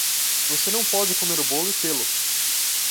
Você não pode comer o bolo e tê-lo